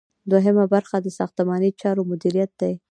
دوهم برخه د ساختماني چارو مدیریت دی.